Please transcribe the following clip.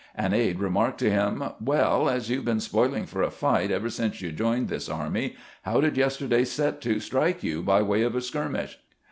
An aide remarked to him, " WeU, as you 've been spoiling for a fight ever since you joined this army, how did yesterday's set to strike you by way of a skirmish?"